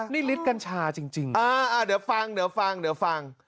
นี่ฤทธิ์กัญชาจริงเดี๋ยวฟังเดี๋ยวฟังเดี๋ยวฟัง